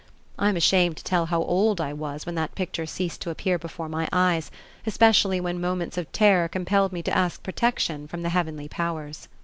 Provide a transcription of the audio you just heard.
I am ashamed to tell how old I was when that picture ceased to appear before my eyes, especially when moments of terror compelled me to ask protection from the heavenly powers.